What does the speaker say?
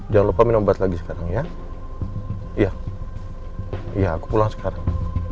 jangan lupa minum obat lagi sekarang ya iya aku pulang sekarang